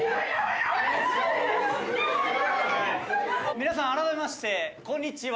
「皆さん改めましてこんにちは！」